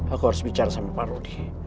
aku harus bicara sama pak rudi